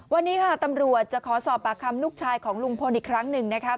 วันนี้ค่ะตำรวจจะขอสอบปากคำลูกชายของลุงพลอีกครั้งหนึ่งนะคะ